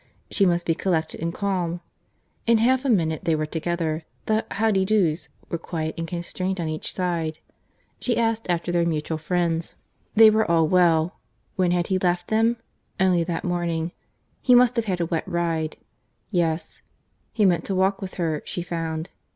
She must be collected and calm. In half a minute they were together. The "How d'ye do's" were quiet and constrained on each side. She asked after their mutual friends; they were all well.—When had he left them?—Only that morning. He must have had a wet ride.—Yes.—He meant to walk with her, she found.